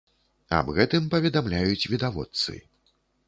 Аб гэтым паведамляюць відавочцы.